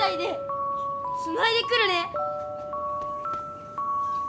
つないでくるね！